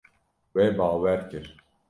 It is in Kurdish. We bawer kir.